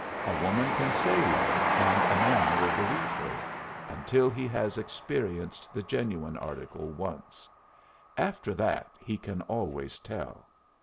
A woman can say love and a man will believe her until he has experienced the genuine article once; after that he can always tell.